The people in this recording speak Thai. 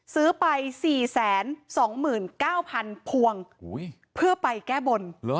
ซื้อไป๔๒๙๐๐๐พวงเพื่อไปแก้บน